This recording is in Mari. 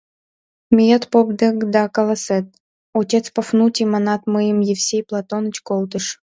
— Миет поп дек да каласет: Отец Пафнутий, манат, мыйым Евсей Платоныч колтыш.